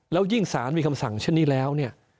แล้วยิ่งสารมีคำสั่งเช่นนี้แล้วเนี่ย